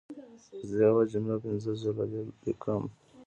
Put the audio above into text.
زه یوه جمله پنځه ځله لیکم.